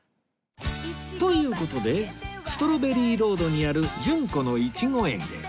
という事でストロベリーロードにある順子のいちご園へ